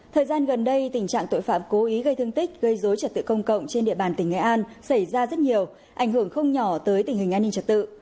thời gian gần đây tình trạng tội phạm cố ý gây thương tích gây dối trật tự công cộng trên địa bàn tỉnh nghệ an xảy ra rất nhiều ảnh hưởng không nhỏ tới tình hình an ninh trật tự